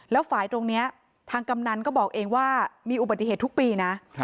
แล้วฝ่ายตรงนี้ทางกำนันก็บอกเองว่ามีอุบัติเหตุทุกปีนะ